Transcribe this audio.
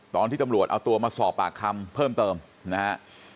ตอนที่ตำรวจเอาตัวมาสอบปากคำเพิ่มเติมนะฮะ